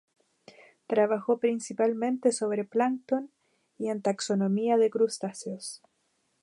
Trabajó principalmente sobre plancton y en taxonomía de crustáceos.